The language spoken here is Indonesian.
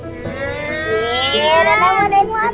ciee ada yang mau naik motor